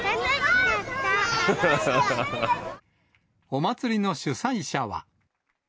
お祭りの主催者は。